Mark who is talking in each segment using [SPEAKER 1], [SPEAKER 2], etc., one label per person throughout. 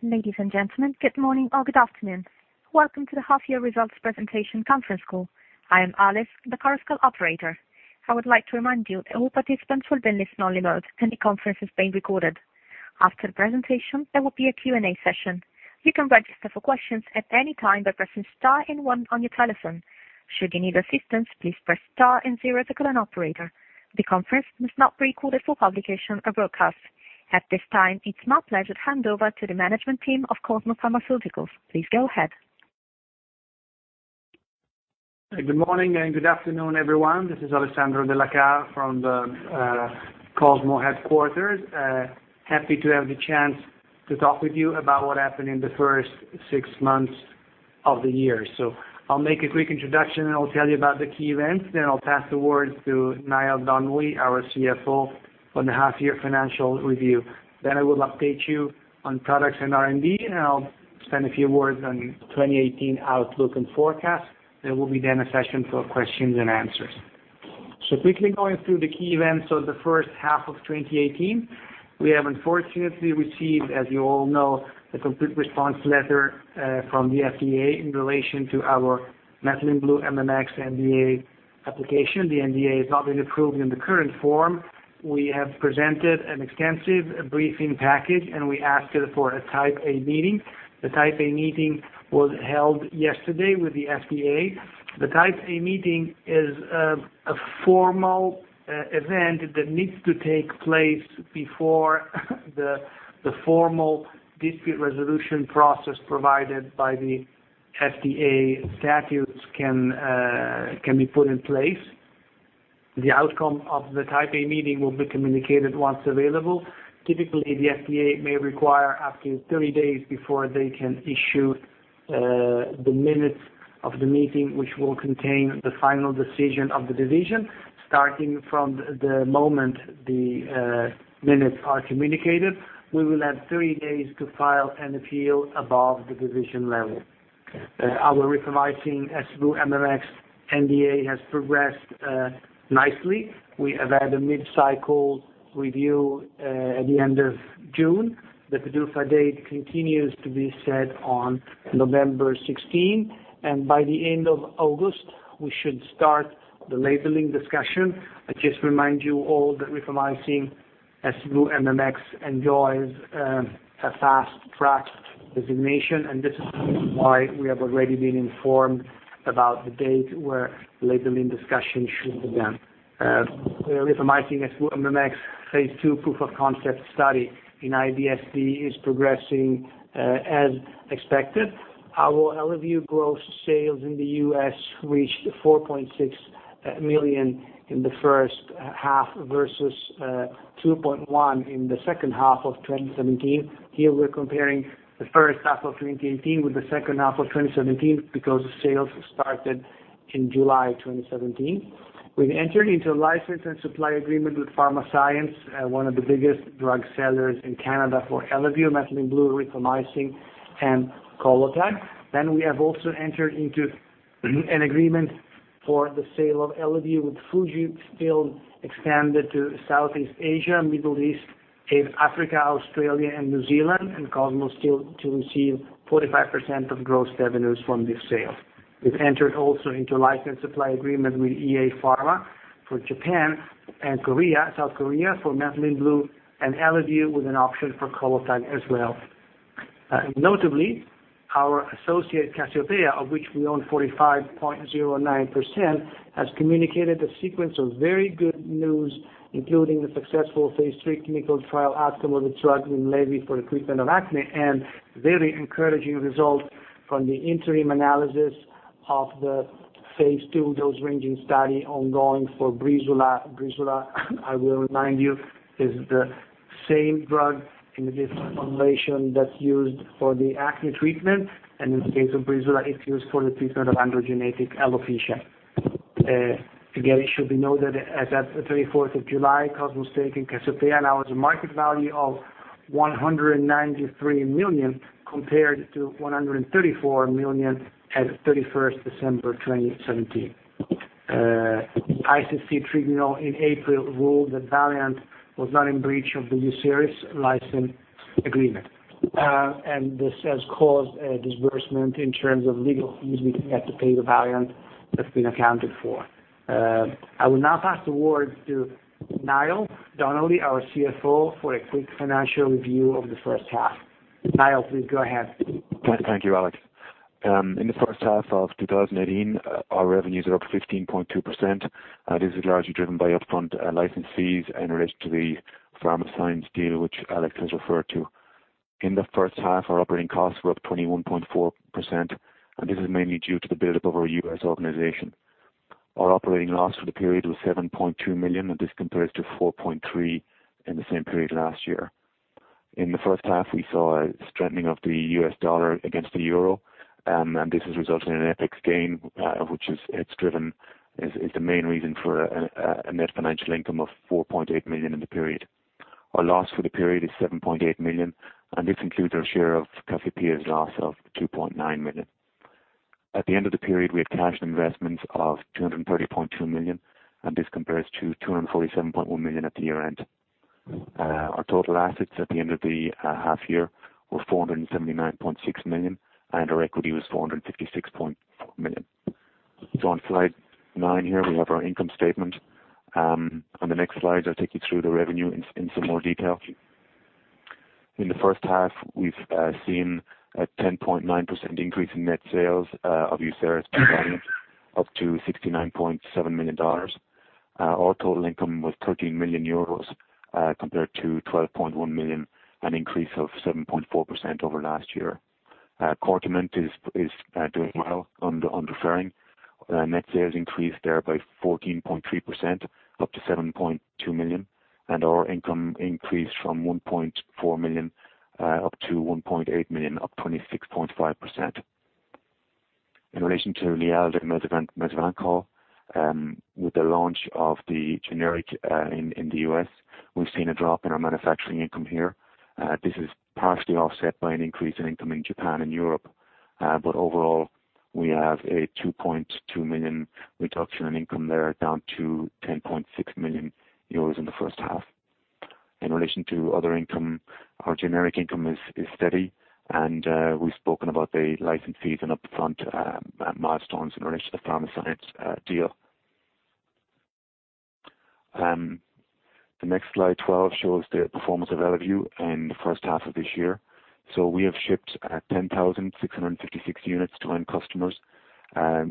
[SPEAKER 1] Ladies and gentlemen, good morning or good afternoon. Welcome to the half-year results presentation conference call. I am Alice, the conference call operator. I would like to remind you that all participants will be in listen-only mode and the conference is being recorded. After the presentation, there will be a Q&A session. You can register for questions at any time by pressing star and one on your telephone. Should you need assistance, please press star and zero to get an operator. The conference must not be recorded for publication or broadcast. At this time, it's my pleasure to hand over to the management team of Cosmo Pharmaceuticals. Please go ahead.
[SPEAKER 2] Good morning and good afternoon, everyone. This is Alessandro Della Chà from the Cosmo headquarters. Happy to have the chance to talk with you about what happened in the first six months of the year. I'll make a quick introduction and I'll tell you about the key events. I'll pass the word to Niall Donnelly, our CFO, on the half-year financial review. I will update you on products and R&D, and I'll spend a few words on 2018 outlook and forecast. There will be then a session for questions and answers. Quickly going through the key events of the first half of 2018. We have unfortunately received, as you all know, a Complete Response Letter from the FDA in relation to our Methylene Blue MMX NDA application. The NDA has not been approved in the current form. We have presented an extensive briefing package, and we asked for a Type A meeting. The Type A meeting was held yesterday with the FDA. The Type A meeting is a formal event that needs to take place before the formal dispute resolution process provided by the FDA statutes can be put in place. The outcome of the Type A meeting will be communicated once available. Typically, the FDA may require up to 30 days before they can issue the minutes of the meeting, which will contain the final decision of the division. Starting from the moment the minutes are communicated, we will have 30 days to file an appeal above the division level. Our Rifamycin SV MMX NDA has progressed nicely. We have had a mid-cycle review at the end of June. The PDUFA date continues to be set on November 16. By the end of August, we should start the labeling discussion. I just remind you all that Rifamycin SV MMX enjoys a Fast Track designation, and this is why we have already been informed about the date where labeling discussions should begin. The Rifamycin SV MMX phase II proof of concept study in IBS-D is progressing as expected. Our Eleview gross sales in the U.S. reached 4.6 million in the first half versus 2.1 in the second half of 2017. Here we're comparing the first half of 2018 with the second half of 2017 because sales started in July 2017. We've entered into a license and supply agreement with Pharmascience, one of the biggest drug sellers in Canada for Eleview, methylene blue, Rifamycin, and Qolotag. We have also entered into an agreement for the sale of Eleview with Fujifilm expanded to Southeast Asia, Middle East, Africa, Australia, and New Zealand, and Cosmo still to receive 45% of gross revenues from this sale. We have also entered into license supply agreement with EA Pharma for Japan and South Korea for methylene blue and Eleview with an option for Qolotag as well. Notably, our associate Cassiopea, of which we own 45.09%, has communicated a sequence of very good news, including the successful phase III clinical trial outcome of the drug Winlevi for the treatment of acne, and very encouraging result from the interim analysis of the phase II dose ranging study ongoing for Breezula. Breezula, I will remind you, is the same drug in a different formulation that's used for the acne treatment, and in the case of Breezula, it's used for the treatment of androgenetic alopecia. It should be noted, as at the 34th of July, Cosmo's stake in Cassiopea allows a market value of 193 million compared to 134 million as at 31st December 2017. ICC tribunal in April ruled that Valeant was not in breach of the Uceris license agreement. This has caused a disbursement in terms of legal fees we had to pay to Valeant that's been accounted for. I will now pass the word to Niall Donnelly, our CFO, for a quick financial review of the first half. Niall, please go ahead.
[SPEAKER 3] Thank you, Alex. In the first half of 2018, our revenues are up 15.2%. This is largely driven by upfront license fees in relation to the Pharmascience deal, which Alex has referred to. In the first half, our operating costs were up 21.4%, and this is mainly due to the buildup of our U.S. organization. Our operating loss for the period was 7.2 million, and this compares to 4.3 million in the same period last year. In the first half, we saw a strengthening of the U.S. dollar against the euro, and this has resulted in an FX gain, which is the main reason for a net financial income of 4.8 million in the period. Our loss for the period is 7.8 million, and this includes our share of Cassiopea's loss of 2.9 million. At the end of the period, we had cash investments of 230.2 million, and this compares to 247.1 million at the year-end. Our total assets at the end of the half year were 479.6 million, and our equity was 456.4 million. On slide nine here, we have our income statement. On the next slide, I will take you through the revenue in some more detail. In the first half, we have seen a 10.9% increase in net sales of Uceris up to $69.7 million. Our total income was 13 million euros, compared to 12.1 million, an increase of 7.4% over last year. Cortiment is doing well under Ferring. Net sales increased there by 14.3%, up to 7.2 million, and our income increased from 1.4 million up to 1.8 million, up 26.5%. In relation to Lialda and Mezavant, with the launch of the generic in the U.S., we've seen a drop in our manufacturing income here. This is partially offset by an increase in income in Japan and Europe. But overall, we have a 2.2 million reduction in income there, down to 10.6 million euros in the first half. In relation to other income, our generic income is steady, and we've spoken about the license fees and upfront milestones in relation to the Pharmascience deal. The next slide, 12, shows the performance of Eleview in the first half of this year. We have shipped 10,656 units to end customers.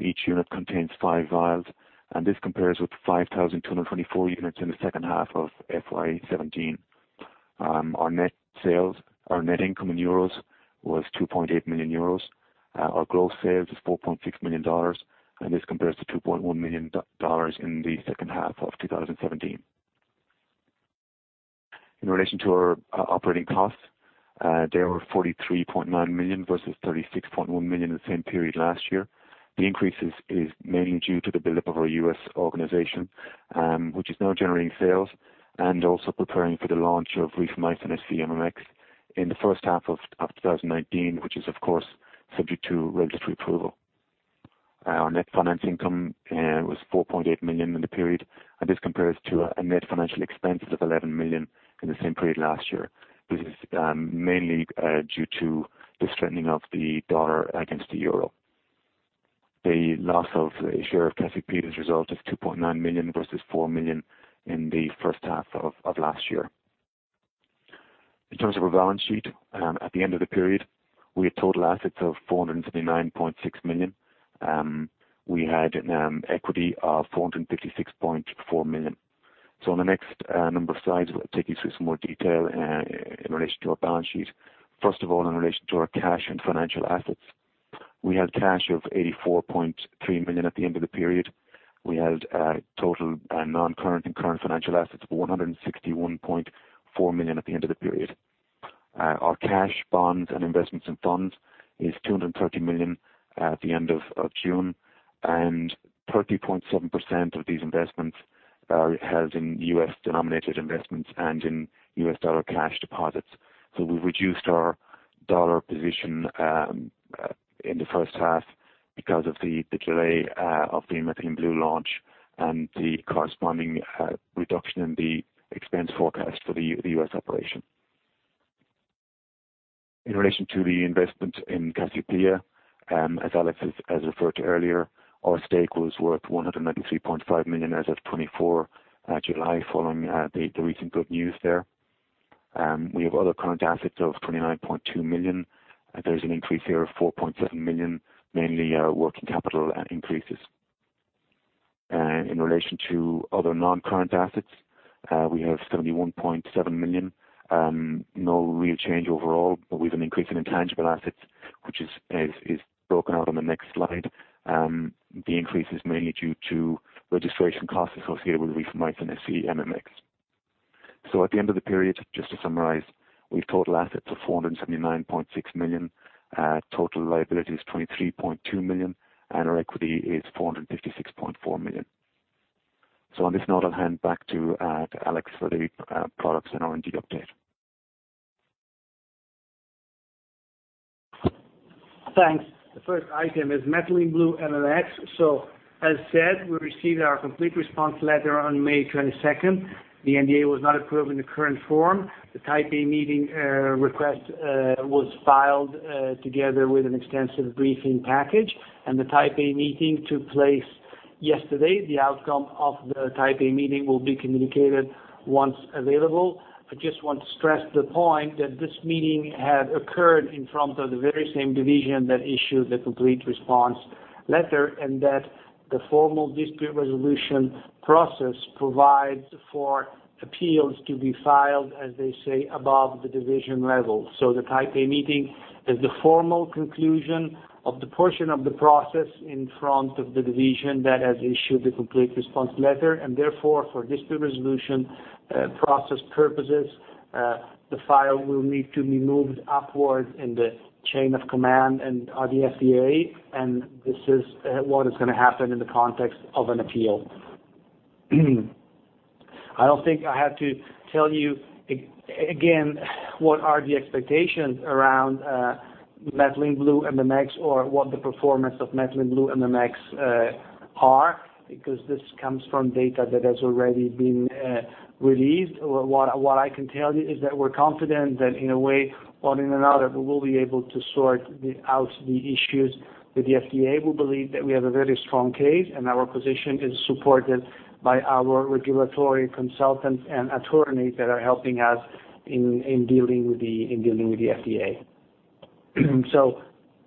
[SPEAKER 3] Each unit contains five vials, and this compares with 5,224 units in the second half of FY 2017. Our net income in euros was 2.8 million euros. Our growth sales is EUR 4.6 million, and this compares to EUR 2.1 million in the second half of 2017. In relation to our operating costs, they were 43.9 million versus 36.1 million in the same period last year. The increase is mainly due to the buildup of our U.S. organization, which is now generating sales and also preparing for the launch of Rifamycin SV MMX in the first half of 2019, which is, of course, subject to regulatory approval. Our net finance income was 4.8 million in the period, and this compares to a net financial expense of 11 million in the same period last year. This is mainly due to the strengthening of the U.S. dollar against the euro. The loss of a share of Cassiopea's result is 2.9 million versus 4 million in the first half of last year. In terms of our balance sheet, at the end of the period, we had total assets of 479.6 million. We had equity of 456.4 million. On the next number of slides, I'll take you through some more detail in relation to our balance sheet. First of all, in relation to our cash and financial assets. We held cash of 84.3 million at the end of the period. We held total non-current and current financial assets of 161.4 million at the end of the period. Our cash, bonds, and investments and funds is 230 million at the end of June, and 30.7% of these investments are held in U.S.-denominated investments and in U.S. dollar cash deposits. We've reduced our dollar position in the first half because of the delay of the methylene blue launch and the corresponding reduction in the expense forecast for the U.S. operation. In relation to the investment in Cassiopea, as Alex has referred to earlier, our stake was worth 193.5 million as of 24 July, following the recent good news there. We have other current assets of 29.2 million. There's an increase here of 4.7 million, mainly working capital increases. In relation to other non-current assets, we have 71.7 million. No real change overall, but we've an increase in intangible assets, which is broken out on the next slide. The increase is mainly due to registration costs associated with Rifamycin SV MMX. At the end of the period, just to summarize, we've total assets of 479.6 million, total liability is 23.2 million, and our equity is 456.4 million. On this note, I'll hand back to Alex for the products and R&D update.
[SPEAKER 2] Thanks. The first item is Methylene Blue MMX. As said, we received our Complete Response Letter on May 22nd. The NDA was not approved in the current form. The Type A meeting request was filed together with an extensive briefing package. The Type A meeting took place yesterday. The outcome of the Type A meeting will be communicated once available. I just want to stress the point that this meeting had occurred in front of the very same division that issued the Complete Response Letter. The formal dispute resolution process provides for appeals to be filed, as they say, above the division level. The Type A meeting is the formal conclusion of the portion of the process in front of the division that has issued the Complete Response Letter. Therefore, for dispute resolution process purposes, the file will need to be moved upward in the chain of command of the FDA. This is what is going to happen in the context of an appeal. I don't think I have to tell you again, what are the expectations around Methylene Blue MMX, or what the performance of Methylene Blue MMX are, because this comes from data that has already been released. What I can tell you is that we're confident that in a way, one way or another, we will be able to sort out the issues with the FDA. We believe that we have a very strong case. Our position is supported by our regulatory consultants and attorneys that are helping us in dealing with the FDA.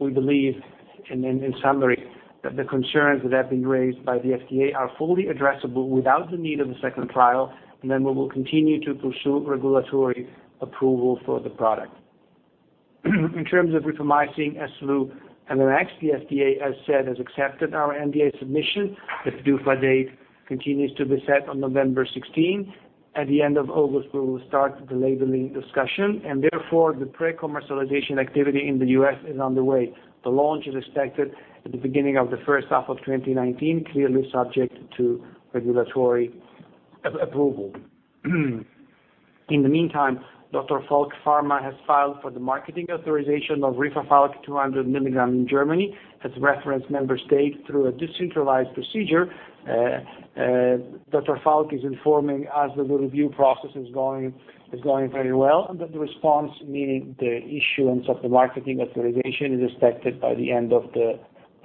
[SPEAKER 2] We believe, and in summary, that the concerns that have been raised by the FDA are fully addressable without the need of a second trial. Then we will continue to pursue regulatory approval for the product. In terms of Rifamycin SV MMX, the FDA, as said, has accepted our NDA submission. The due by date continues to be set on November 16. At the end of August, we will start the labeling discussion. Therefore, the pre-commercialization activity in the U.S. is underway. The launch is expected at the beginning of the first half of 2019, clearly subject to regulatory approval. In the meantime, Dr. Falk Pharma has filed for the marketing authorization of Relafalk 200 mg in Germany as reference member state through a decentralised procedure. Dr. Falk is informing us that the review process is going very well. The response, meaning the issuance of the marketing authorization, is expected by the end of the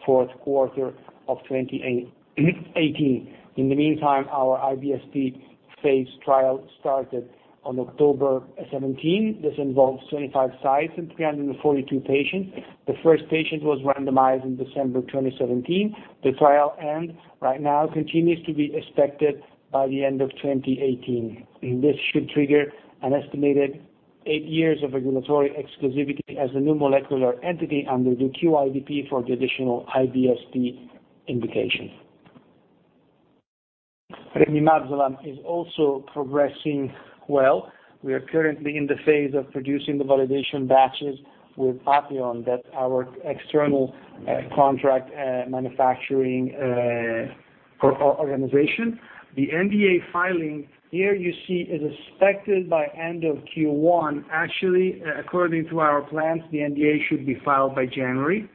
[SPEAKER 2] fourth quarter of 2018. In the meantime, our IBS-D phase trial started on October 17. This involves 25 sites and 342 patients. The first patient was randomized in December 2017. The trial end right now continues to be expected by the end of 2018. This should trigger an estimated eight years of regulatory exclusivity as a new molecular entity under the QIDP for the additional IBS-D indication. remimazolam is also progressing well. We are currently in the phase of producing the validation batches with Patheon, that's our external contract manufacturing organization. The NDA filing here you see is expected by end of Q1. Actually, according to our plans, the NDA should be filed by January.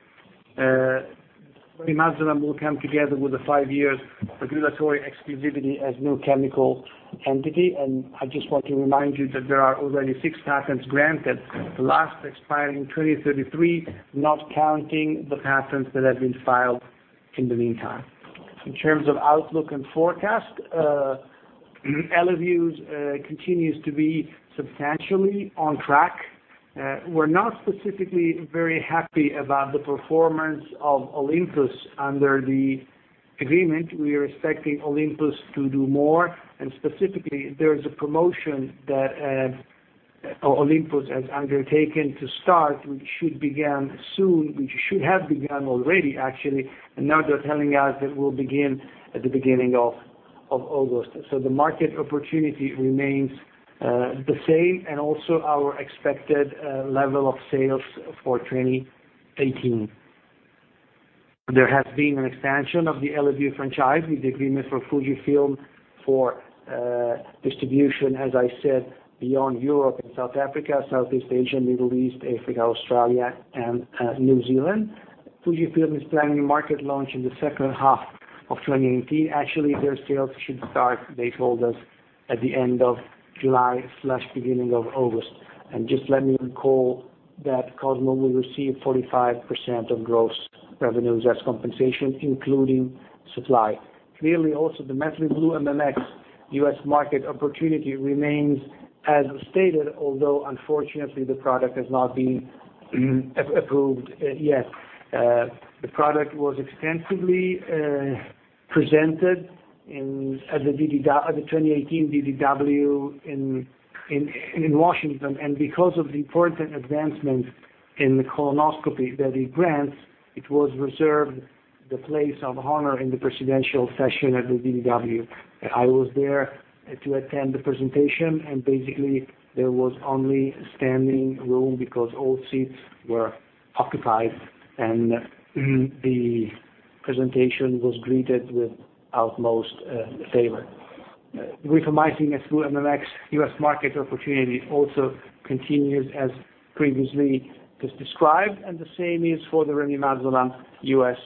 [SPEAKER 2] remimazolam will come together with the five years regulatory exclusivity as new chemical entity. I just want to remind you that there are already six patents granted, the last expiring in 2033, not counting the patents that have been filed in the meantime. In terms of outlook and forecast, Eleview continues to be substantially on track. We're not specifically very happy about the performance of Olympus under the agreement. We are expecting Olympus to do more, specifically, there is a promotion that Olympus has undertaken to start, which should begin soon. Which should have begun already, actually. Now they're telling us it will begin at the beginning of August. The market opportunity remains the same and also our expected level of sales for 2018. There has been an expansion of the Eleview franchise with the agreement for Fujifilm for distribution, as I said, beyond Europe and South Africa, Southeast Asia, Middle East, Africa, Australia and New Zealand. Fujifilm is planning market launch in the second half of 2018. Actually, their sales should start, they told us, at the end of July/beginning of August. Just let me recall that Cosmo will receive 45% of gross revenues as compensation, including supply. Clearly, also, the Methylene Blue MMX U.S. market opportunity remains as stated, although unfortunately, the product has not been approved yet. The product was extensively presented at the 2018 DDW in Washington. Because of the important advancements in the colonoscopy that it grants, it was reserved the place of honor in the presidential session at the DDW. I was there to attend the presentation, basically, there was only standing room because all seats were occupied and the presentation was greeted with utmost favor. Rifamycin SV MMX U.S. market opportunity also continues as previously described, the same is for the remimazolam U.S.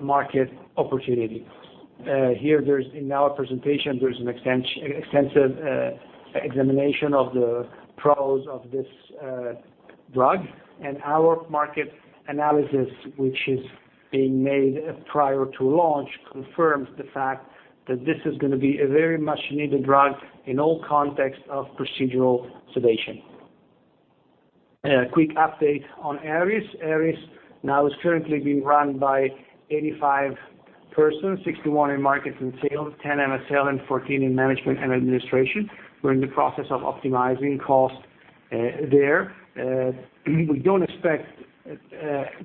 [SPEAKER 2] market opportunity. Here, in our presentation, there's an extensive examination of the pros of this drug and our market analysis, which is being made prior to launch, confirms the fact that this is going to be a very much needed drug in all contexts of procedural sedation. A quick update on Aries. Aries now is currently being run by 85 persons, 61 in markets and sales, 10 MSL, and 14 in management and administration. We're in the process of optimizing costs there. We don't expect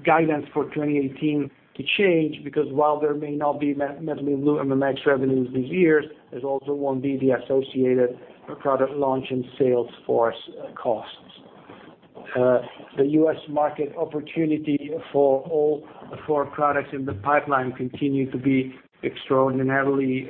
[SPEAKER 2] guidance for 2018 to change because while there may not be Methylene Blue MMX revenues these years, there also won't be the associated product launch and sales force costs. The U.S. market opportunity for all four products in the pipeline continue to be extraordinarily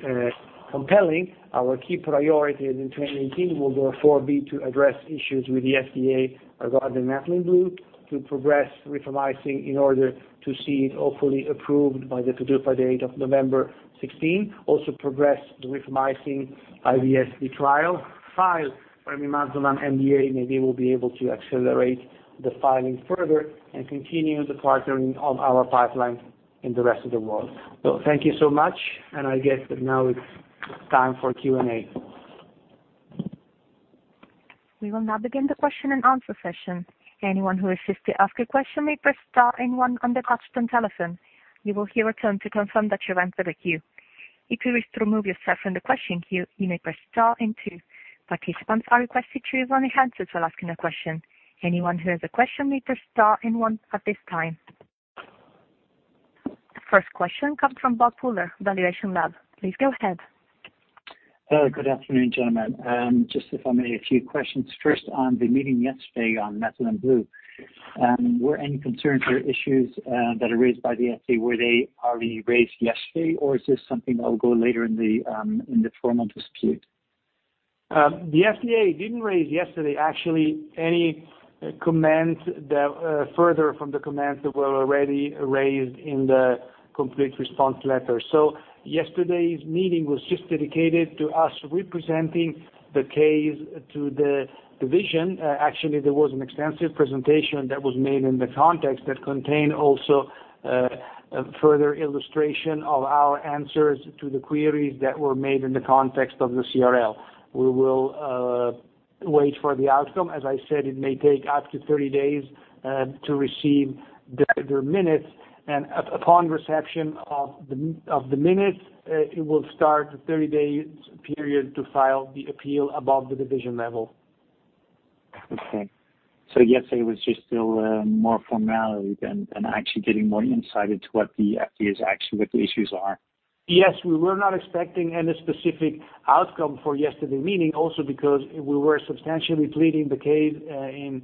[SPEAKER 2] compelling. Our key priority in 2018 will therefore be to address issues with the FDA regarding methylene blue, to progress rifamycin in order to see it hopefully approved by the PDUFA date of November 16. Also progress the rifamycin IBS-D trial. File remimazolam NDA, maybe we'll be able to accelerate the filing further, continue the partnering of our pipeline in the rest of the world. Thank you so much, I guess that now it's time for Q&A.
[SPEAKER 1] We will now begin the question and answer session. Anyone who wishes to ask a question may press star and one on the touchtone telephone. You will hear a tone to confirm that you entered the queue. If you wish to remove yourself from the question queue, you may press star and two. Participants are requested to remain silent while asking a question. Anyone who has a question may press star and one at this time. First question comes from Bob Pooler, valuationLAB. Please go ahead.
[SPEAKER 4] Hello. Good afternoon, gentlemen. Just if I may, a few questions. First, on the meeting yesterday on methylene blue. Were any concerns or issues that are raised by the FDA, were they already raised yesterday, or is this something that will go later in the formal dispute?
[SPEAKER 2] The FDA didn't raise yesterday, actually, any comments further from the comments that were already raised in the Complete Response Letter. Yesterday's meeting was just dedicated to us representing the case to the division. Actually, there was an extensive presentation that was made in the context that contained also a further illustration of our answers to the queries that were made in the context of the CRL. We will wait for the outcome. As I said, it may take up to 30 days to receive their minutes. Upon reception of the minutes, it will start a 30-days period to file the appeal above the division level.
[SPEAKER 4] Okay. Yesterday was just still more formality than actually getting more insight into what the FDA's action, what the issues are.
[SPEAKER 2] Yes, we were not expecting any specific outcome for yesterday meeting, also because we were substantially pleading the case in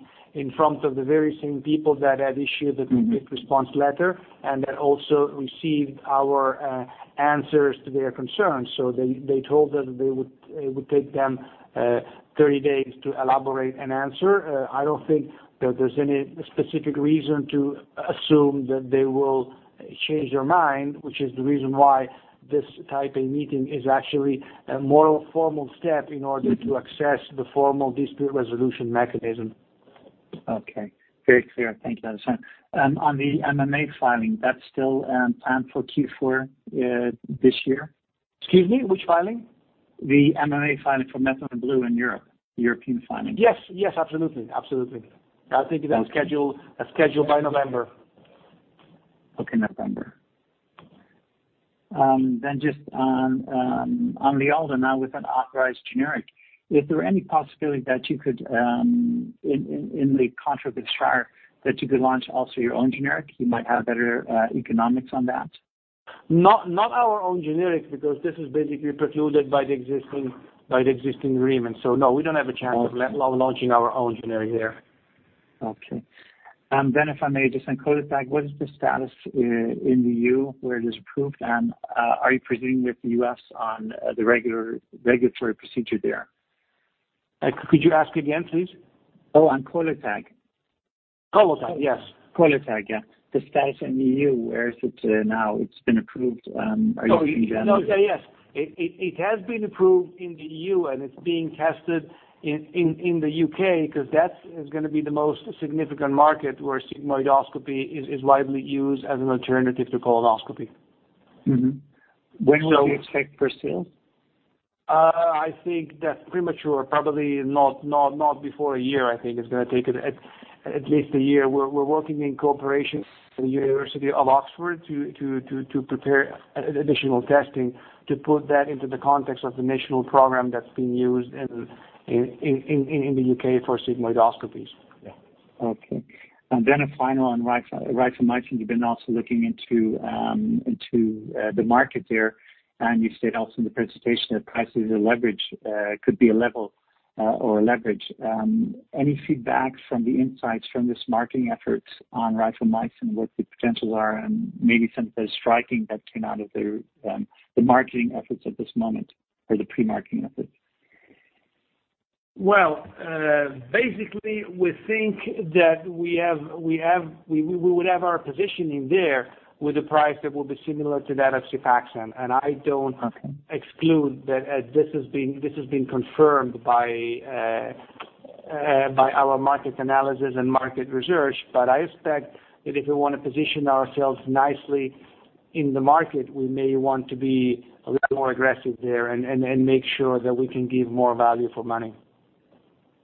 [SPEAKER 2] front of the very same people that had issued the Complete Response Letter, and that also received our answers to their concerns. They told us that it would take them 30 days to elaborate an answer. I don't think that there's any specific reason to assume that they will change their mind, which is the reason why this type of meeting is actually a more formal step in order to access the formal dispute resolution mechanism.
[SPEAKER 4] Okay. Very clear. Thank you, Alessandro. On the MAA filing, that's still planned for Q4 this year?
[SPEAKER 2] Excuse me, which filing?
[SPEAKER 4] The MAA filing for methylene blue in Europe. The European filing.
[SPEAKER 2] Yes, absolutely.
[SPEAKER 4] Thank you.
[SPEAKER 2] That's scheduled by November.
[SPEAKER 4] Okay, November. Just on the Lialda now with an authorized generic. Is there any possibility that you could, in the contract with Shire, that you could launch also your own generic, you might have better economics on that?
[SPEAKER 2] Not our own generic, because this is basically precluded by the existing agreement. No, we don't have a chance of launching our own generic there.
[SPEAKER 4] Okay. If I may, just on Qolotag, what is the status in the EU where it is approved, and are you proceeding with the US on the regulatory procedure there?
[SPEAKER 2] Could you ask again, please?
[SPEAKER 4] On Qolotag.
[SPEAKER 2] Qolotag, yes.
[SPEAKER 4] Qolotag, yeah. The status in EU, where is it now? It's been approved. Are you-
[SPEAKER 2] Oh, yes. It has been approved in the EU, and it's being tested in the U.K., because that is going to be the most significant market where sigmoidoscopy is widely used as an alternative to colonoscopy.
[SPEAKER 4] Mm-hmm. When would you expect first sales?
[SPEAKER 2] I think that's premature. Probably not before a year, I think, it's going to take at least a year. We're working in cooperation with the University of Oxford to prepare additional testing to put that into the context of the national program that's being used in the U.K. for sigmoidoscopies.
[SPEAKER 4] Yeah. Okay. A final on rifamycin. You've been also looking into the market there, and you've said also in the presentation that price could be a level or a leverage. Any feedback from the insights from this marketing efforts on rifamycin, what the potentials are and maybe some of the striking that came out of the marketing efforts at this moment or the pre-marketing efforts?
[SPEAKER 2] Well, basically, we think that we would have our positioning there with a price that will be similar to that of Xifaxan. I don't exclude that this has been confirmed by our market analysis and market research. I expect that if we want to position ourselves nicely in the market, we may want to be a little more aggressive there and make sure that we can give more value for money.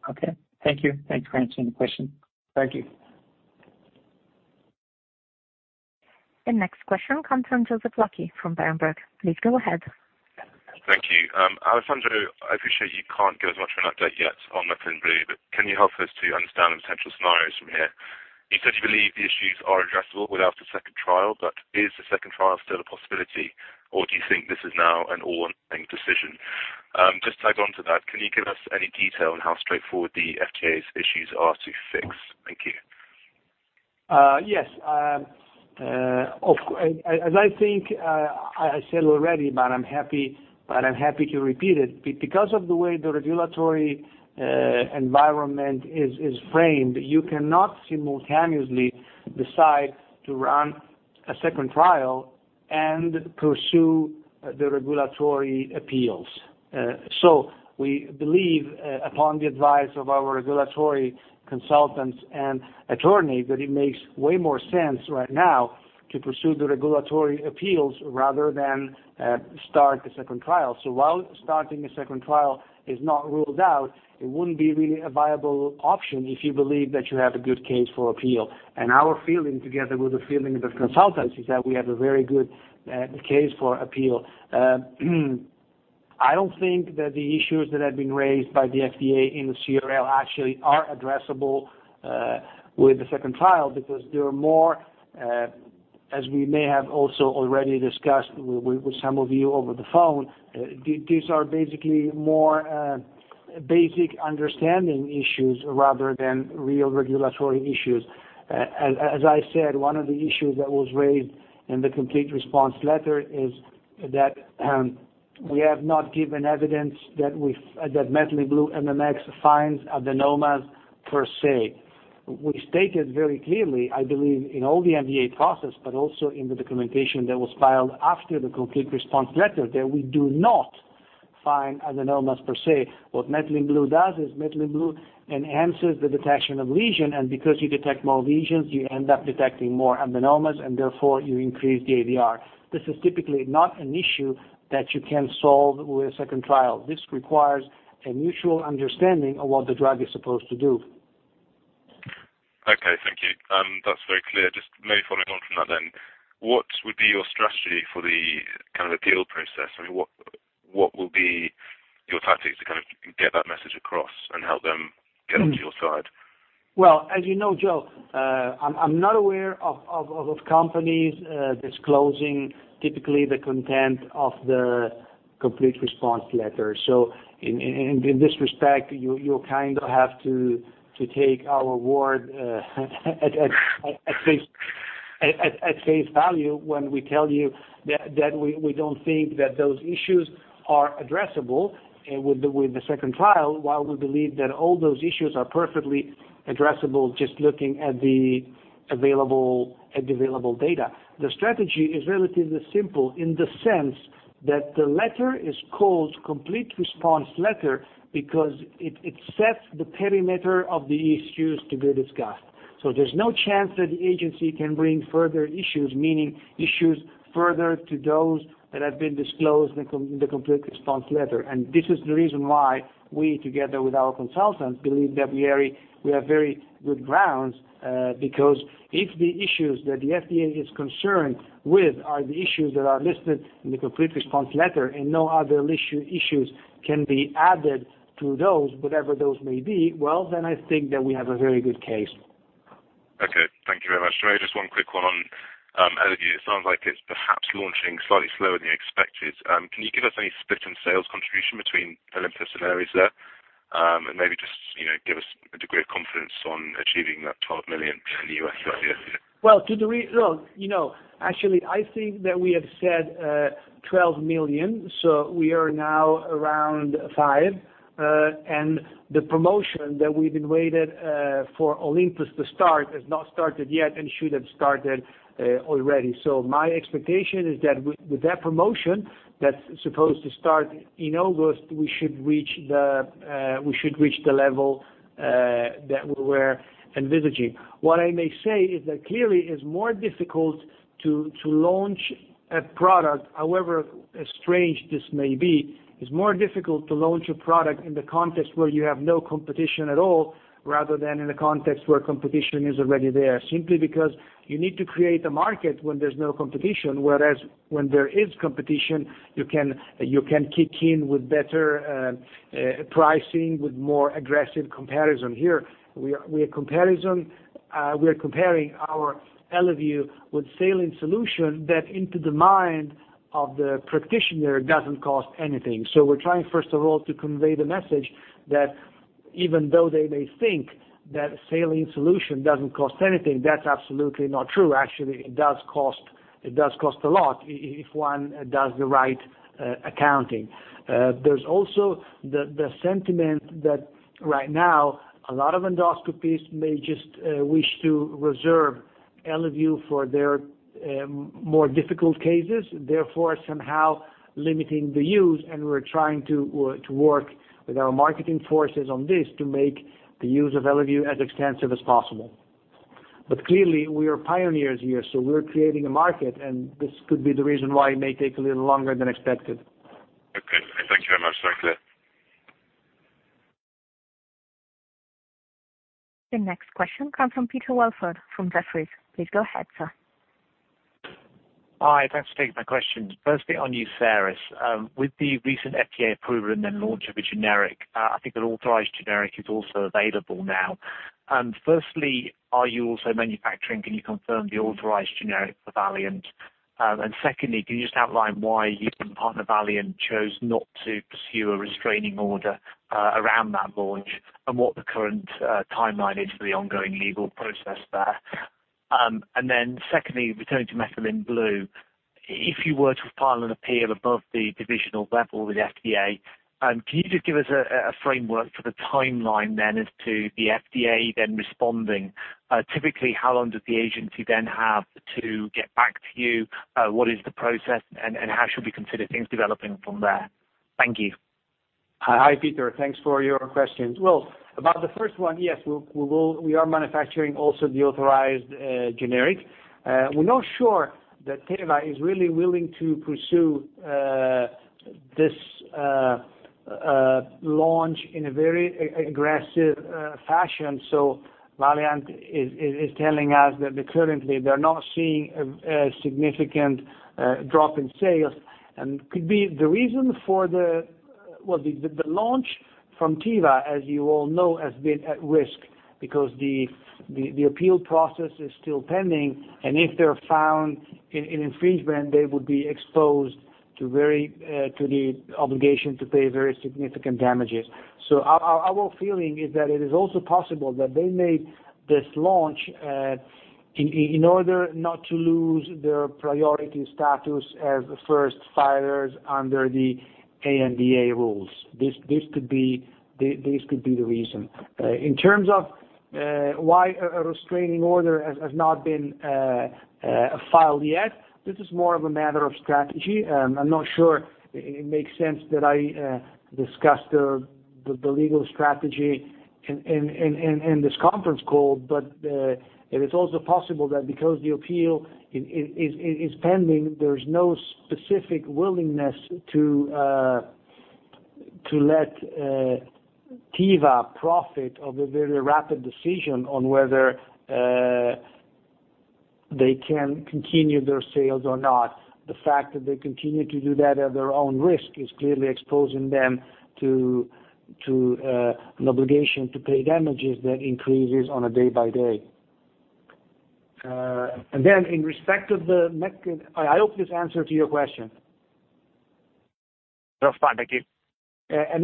[SPEAKER 4] Okay. Thank you. Thanks for answering the question.
[SPEAKER 2] Thank you.
[SPEAKER 1] The next question comes from Joseph Lackey from Berenberg. Please go ahead.
[SPEAKER 5] Thank you. Alessandro, I appreciate you can't give us much of an update yet on methylene blue. Can you help us to understand the potential scenarios? You said you believe the issues are addressable without the second trial. Is the second trial still a possibility, or do you think this is now an all-or-nothing decision? Can you give us any detail on how straightforward the FDA's issues are to fix? Thank you.
[SPEAKER 2] Yes. As I think I said already, I'm happy to repeat it. Because of the way the regulatory environment is framed, you cannot simultaneously decide to run a second trial and pursue the regulatory appeals. We believe, upon the advice of our regulatory consultants and attorney, that it makes way more sense right now to pursue the regulatory appeals rather than start the second trial. While starting a second trial is not ruled out, it wouldn't be really a viable option if you believe that you have a good case for appeal. Our feeling, together with the feeling of the consultants, is that we have a very good case for appeal. I don't think that the issues that have been raised by the FDA in the CRL actually are addressable with the second trial because they are more, as we may have also already discussed with some of you over the phone, these are basically more basic understanding issues rather than real regulatory issues. As I said, one of the issues that was raised in the Complete Response Letter is that we have not given evidence that methylene blue MMX finds adenomas per se. We stated very clearly, I believe, in all the NDA process, but also in the documentation that was filed after the Complete Response Letter, that we do not find adenomas per se. What methylene blue does is methylene blue enhances the detection of lesion, and because you detect more lesions, you end up detecting more adenomas, and therefore you increase the ADR. This is typically not an issue that you can solve with a second trial. This requires a mutual understanding of what the drug is supposed to do.
[SPEAKER 5] Okay, thank you. That's very clear. Just maybe following on from that, what would be your strategy for the appeal process? What will be your tactics to get that message across and help them get onto your side?
[SPEAKER 2] Well, as you know, Joe, I'm not aware of companies disclosing typically the content of the Complete Response Letter. In this respect, you kind of have to take our word at face value when we tell you that we don't think that those issues are addressable with the second trial, while we believe that all those issues are perfectly addressable just looking at the available data. The strategy is relatively simple in the sense that the letter is called Complete Response Letter because it sets the perimeter of the issues to be discussed. There's no chance that the agency can bring further issues, meaning issues further to those that have been disclosed in the Complete Response Letter. This is the reason why we, together with our consultants, believe that we have very good grounds. If the issues that the FDA is concerned with are the issues that are listed in the Complete Response Letter and no other issues can be added to those, whatever those may be, well, then I think that we have a very good case.
[SPEAKER 5] Okay. Thank you very much. Maybe just one quick one on Eleview. It sounds like it's perhaps launching slightly slower than you expected. Can you give us any split in sales contribution between Olympus and Aries there? Maybe just give us a degree of confidence on achieving that $12 million in the U.S. by the end of the year.
[SPEAKER 2] Well, actually, I think that we have said $12 million, we are now around $5 million. The promotion that we've been waited for Olympus to start has not started yet and should have started already. My expectation is that with that promotion that's supposed to start in August, we should reach the level that we were envisaging. What I may say is that clearly it's more difficult to launch a product, however strange this may be. It's more difficult to launch a product in the context where you have no competition at all, rather than in a context where competition is already there, simply because you need to create a market when there's no competition. Whereas when there is competition, you can kick in with better pricing, with more aggressive comparison. Here, we're comparing our Eleview with saline solution that into the mind of the practitioner doesn't cost anything. We're trying, first of all, to convey the message that even though they may think that saline solution doesn't cost anything, that's absolutely not true. Actually, it does cost a lot if one does the right accounting. There's also the sentiment that right now a lot of endoscopists may just wish to reserve Eleview for their more difficult cases, therefore somehow limiting the use, and we're trying to work with our marketing forces on this to make the use of Eleview as extensive as possible. Clearly, we are pioneers here, so we're creating a market, and this could be the reason why it may take a little longer than expected.
[SPEAKER 5] Okay. Thank you very much. Very clear.
[SPEAKER 1] The next question comes from Peter Welford from Jefferies. Please go ahead, sir.
[SPEAKER 6] Hi, thanks for taking my question. Firstly, on Uceris. With the recent FDA approval and then launch of a generic, I think an authorized generic is also available now. Firstly, are you also manufacturing, can you confirm the authorized generic for Valeant? And secondly, can you just outline why you and partner Valeant chose not to pursue a restraining order around that launch and what the current timeline is for the ongoing legal process there? And then secondly, returning to methylene blue, if you were to file an appeal above the divisional level with the FDA, can you just give us a framework for the timeline then as to the FDA then responding? Typically, how long does the agency then have to get back to you? What is the process, and how should we consider things developing from there? Thank you.
[SPEAKER 2] Hi, Peter. Thanks for your questions. Well, about the first one, yes, we are manufacturing also the authorized generic. We're not sure that Teva is really willing to pursue this launch in a very aggressive fashion. Valeant is telling us that currently they're not seeing a significant drop in sales. Well, the launch from Teva, as you all know, has been at risk because the appeal process is still pending and if they're found in infringement, they would be exposed to the obligation to pay very significant damages. Our feeling is that it is also possible that they made this launch in order not to lose their priority status as first filers under the ANDA rules. This could be the reason. In terms of why a restraining order has not been filed yet, this is more of a matter of strategy. I'm not sure it makes sense that I discuss the legal strategy in this conference call, but it is also possible that because the appeal is pending, there's no specific willingness to let Teva profit of a very rapid decision on whether they can continue their sales or not. The fact that they continue to do that at their own risk is clearly exposing them to an obligation to pay damages that increases on a day by day. I hope this answered your question.
[SPEAKER 6] No problem. Thank you.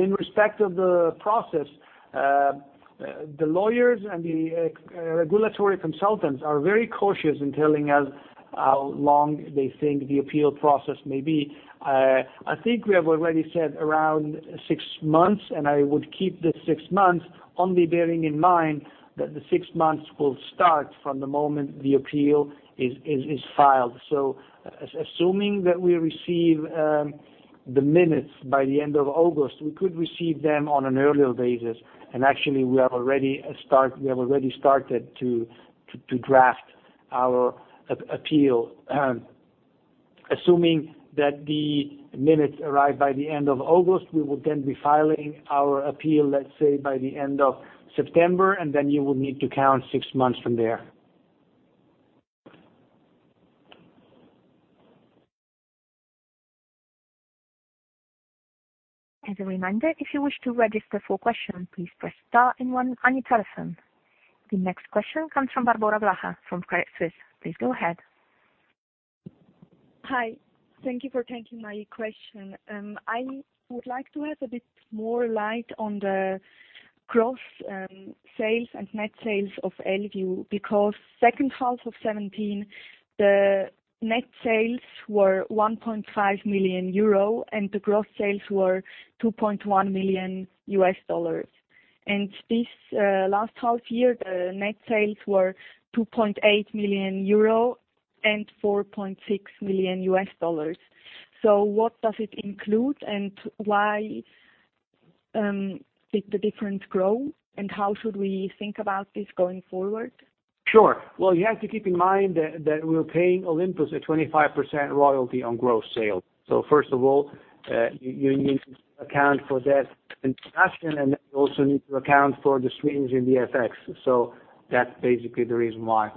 [SPEAKER 2] In respect of the process, the lawyers and the regulatory consultants are very cautious in telling us how long they think the appeal process may be. I think we have already said around six months and I would keep this six months only bearing in mind that the six months will start from the moment the appeal is filed. Assuming that we receive the minutes by the end of August, we could receive them on an earlier basis and actually we have already started to draft our appeal. Assuming that the minutes arrive by the end of August, we will then be filing our appeal let's say by the end of September and you will need to count six months from there.
[SPEAKER 1] As a reminder, if you wish to register for question, please press star and one on your telephone. The next question comes from Barbora Blaha from Credit Suisse. Please go ahead.
[SPEAKER 7] Hi. Thank you for taking my question. I would like to have a bit more light on the gross sales and net sales of Eleview because second half of 2017 the net sales were 1.5 million euro and the gross sales were EUR 2.1 million. This last half year the net sales were 2.8 million euro and EUR 4.6 million. What does it include and why did the difference grow and how should we think about this going forward?
[SPEAKER 2] Sure. Well, you have to keep in mind that we're paying Olympus a 25% royalty on gross sales. First of all, you need to account for that transaction and then you also need to account for the swings in the FX. That's basically the reason why.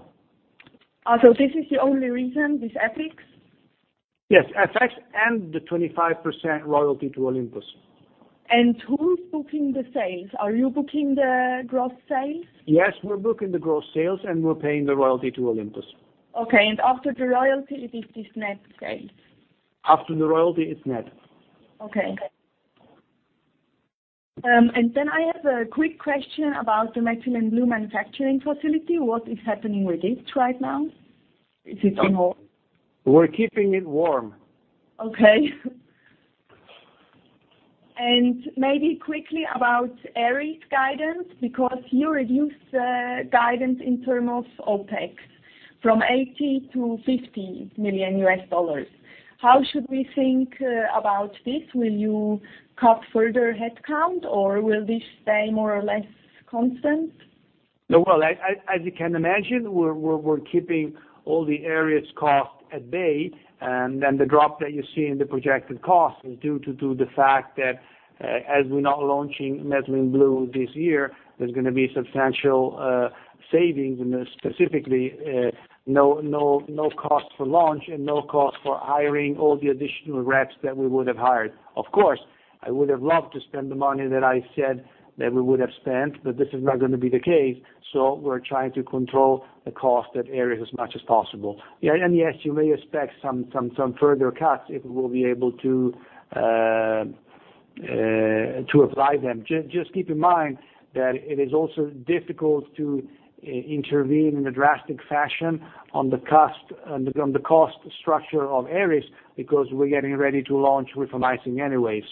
[SPEAKER 7] Also this is the only reason, this FX?
[SPEAKER 2] Yes. FX and the 25% royalty to Olympus.
[SPEAKER 7] Who's booking the sales? Are you booking the gross sales?
[SPEAKER 2] Yes, we're booking the gross sales and we're paying the royalty to Olympus.
[SPEAKER 7] Okay. After the royalty it is net sales.
[SPEAKER 2] After the royalty it's net.
[SPEAKER 7] Okay. I have a quick question about the methylene blue manufacturing facility. What is happening with it right now? Is it on hold?
[SPEAKER 2] We're keeping it warm.
[SPEAKER 7] Okay. Maybe quickly about Aries' guidance because you reduced the guidance in term of OpEx from 80 million to EUR 50 million. How should we think about this? Will you cut further headcount or will this stay more or less constant?
[SPEAKER 2] No. Well, as you can imagine, we're keeping all the Aries' cost at bay and then the drop that you see in the projected cost is due to the fact that as we're not launching methylene blue this year, there's going to be substantial savings and specifically, no cost for launch and no cost for hiring all the additional reps that we would have hired. Of course I would have loved to spend the money that I said that we would have spent, but this is not going to be the case, so we're trying to control the cost at Aerys as much as possible. Yes, you may expect some further cuts if we will be able to apply them. Just keep in mind that it is also difficult to intervene in a drastic fashion on the cost structure of Aerys, because we're getting ready to launch Rifamycin anyway.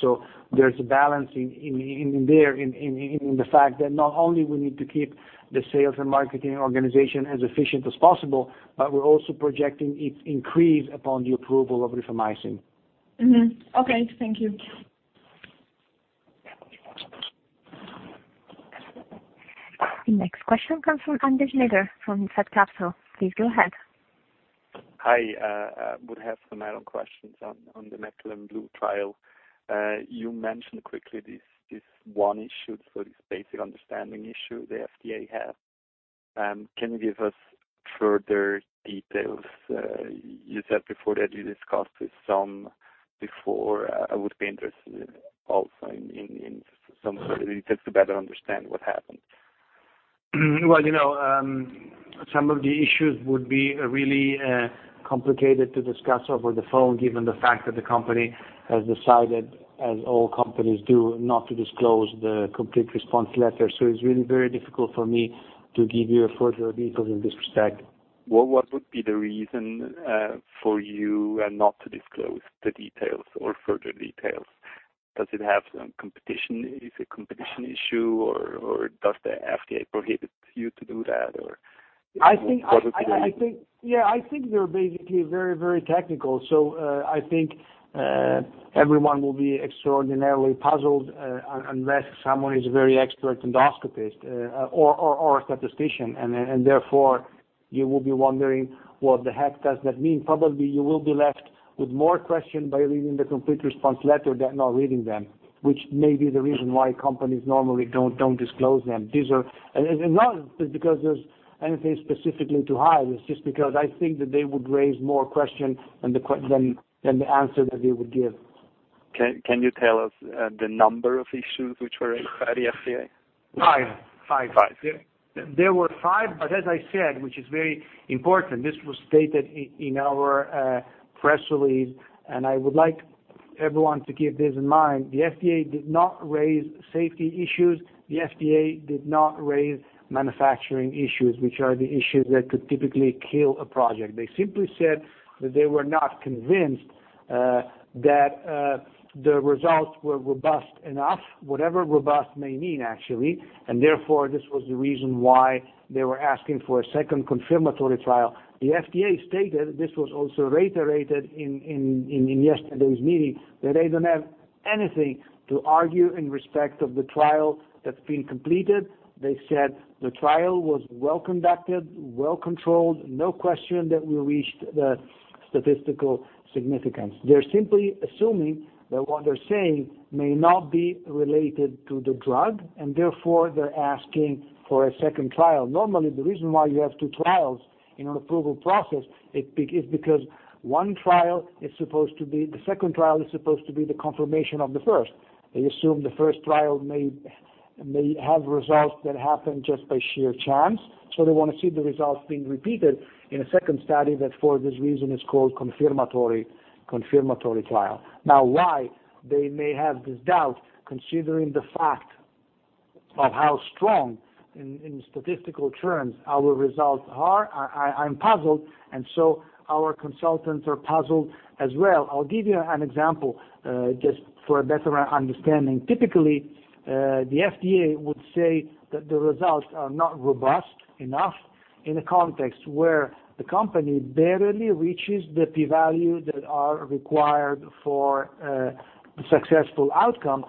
[SPEAKER 2] There's a balance in there in the fact that not only we need to keep the sales and marketing organization as efficient as possible, but we're also projecting it increase upon the approval of rifamycin.
[SPEAKER 7] Okay. Thank you.
[SPEAKER 1] The next question comes from Anders Schneider from Orpheus Capital. Please go ahead.
[SPEAKER 8] Hi. I would have some add-on questions on the methylene blue trial. You mentioned quickly this one issue, so this basic understanding issue the FDA have. Can you give us further details? You said before that you discussed with some before. I would be interested also in some details to better understand what happened.
[SPEAKER 2] Well, some of the issues would be really complicated to discuss over the phone, given the fact that the company has decided, as all companies do, not to disclose the Complete Response Letter. It's really very difficult for me to give you further details in this respect.
[SPEAKER 8] Well, what would be the reason for you not to disclose the details or further details? Does it have some competition? Is a competition issue, or does the FDA prohibit you to do that? What would be the reason?
[SPEAKER 2] Yeah, I think they're basically very technical. I think everyone will be extraordinarily puzzled unless someone is a very expert endoscopist or a statistician. Therefore you will be wondering, what the heck does that mean? Probably you will be left with more question by reading the Complete Response Letter than not reading them, which may be the reason why companies normally don't disclose them. It's not because there's anything specifically to hide. It's just because I think that they would raise more question than the answer that they would give.
[SPEAKER 8] Can you tell us the number of issues which were at the FDA?
[SPEAKER 2] Five.
[SPEAKER 8] Five.
[SPEAKER 2] There were five, but as I said, which is very important, this was stated in our press release, and I would like everyone to keep this in mind. The FDA did not raise safety issues. The FDA did not raise manufacturing issues, which are the issues that could typically kill a project. They simply said that they were not convinced that the results were robust enough, whatever robust may mean, actually. Therefore, this was the reason why they were asking for a second confirmatory trial. The FDA stated, this was also reiterated in yesterday's meeting, that they don't have anything to argue in respect of the trial that's been completed. They said the trial was well conducted, well controlled. No question that we reached the statistical significance. They're simply assuming that what they're saying may not be related to the drug, and therefore they're asking for a second trial. Normally, the reason why you have two trials in an approval process is because the second trial is supposed to be the confirmation of the first. They assume the first trial may have results that happen just by sheer chance. They want to see the results being repeated in a second study that, for this reason, is called confirmatory trial. Why they may have this doubt, considering the fact of how strong in statistical terms our results are, I'm puzzled, and so our consultants are puzzled as well. I'll give you an example just for a better understanding. Typically, the FDA would say that the results are not robust enough in a context where the company barely reaches the p-value that are required for a successful outcome.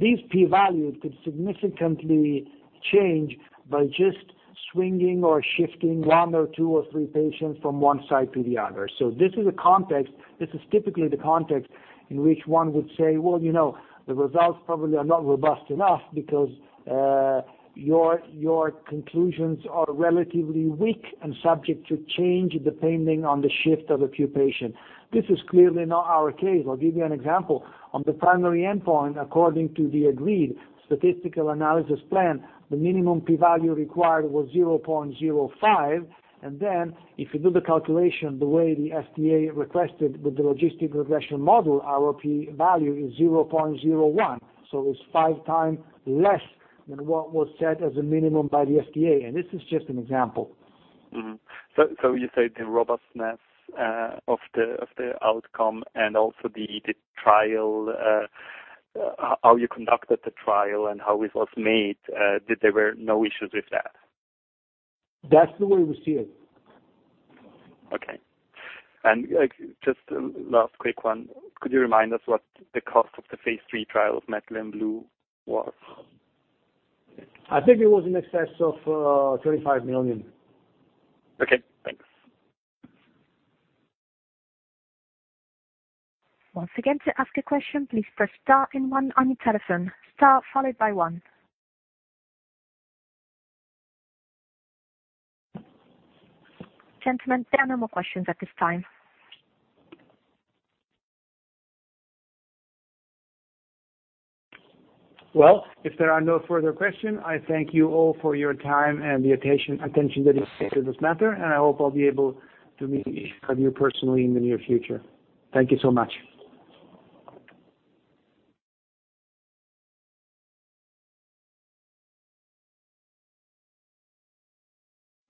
[SPEAKER 2] These p-values could significantly change by just swinging or shifting one or two or three patient from one side to the other. This is typically the context in which one would say, "Well, the results probably are not robust enough because your conclusions are relatively weak and subject to change depending on the shift of a few patient." This is clearly not our case. I'll give you an example. On the primary endpoint, according to the agreed statistical analysis plan, the minimum p-value required was 0.05. Then if you do the calculation the way the FDA requested with the logistic regression model, our p-value is 0.01. It's five times less than what was set as a minimum by the FDA. This is just an example.
[SPEAKER 8] You say the robustness of the outcome and also how you conducted the trial and how it was made, that there were no issues with that?
[SPEAKER 2] That's the way we see it.
[SPEAKER 8] Okay. Just last quick one. Could you remind us what the cost of the phase III trial of methylene blue was?
[SPEAKER 2] I think it was in excess of 25 million.
[SPEAKER 8] Okay, thanks.
[SPEAKER 1] Once again, to ask a question, please press star and one on your telephone. Star followed by one. Gentlemen, there are no more questions at this time.
[SPEAKER 2] Well, if there are no further question, I thank you all for your time and the attention that you gave to this matter, and I hope I'll be able to meet each of you personally in the near future. Thank you so much.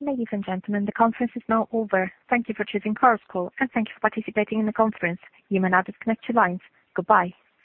[SPEAKER 1] Ladies and gentlemen, the conference is now over. Thank you for choosing Chorus Call, and thank you for participating in the conference. You may now disconnect your lines. Goodbye.